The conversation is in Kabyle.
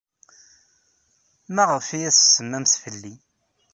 Maɣef ay as-tsemmamt fell-i?